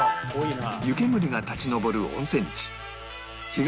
湯けむりが立ち上る温泉地